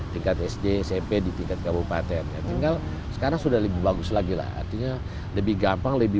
tingkat sd smp di tingkat kabupaten tinggal sekarang sudah lebih bagus lagi lah artinya lebih gampang lebih